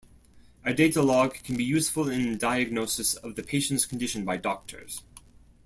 A data log can be useful in diagnosis of the patient's condition by doctors.